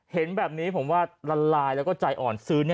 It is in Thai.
เห็นแบบนี้ผมว่าละลายแล้วก็ใจอ่อนซื้อ